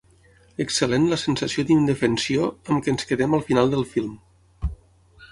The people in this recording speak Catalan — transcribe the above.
Excel·lent la sensació d'indefensió amb què ens quedem al final del film.